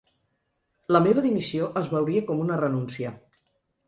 La meva dimissió es veuria com una renúncia.